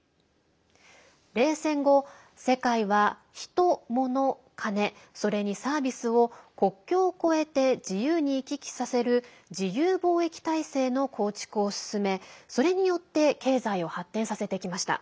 冷戦後、世界はヒト・モノ・カネそれにサービスを国境を越えて自由に行き来させる自由貿易体制の構築を進めそれによって経済を発展させてきました。